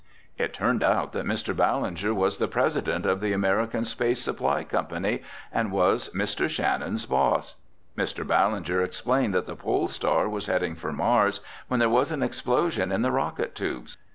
It turned out that Mr. Ballinger was the president of the American Space Supply Company and was Mr. Shannon's boss. Mr. Ballinger explained that the Pole Star was heading for Mars when there was an explosion in the rocket tubes.